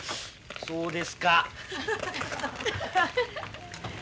そうですか。